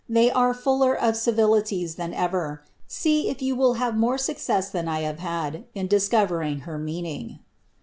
They are fuller rilities than ever. See if you will have more success than I have n discovering her meaning."